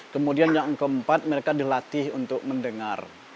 kemudian yang keempat mereka dilatih untuk mendengar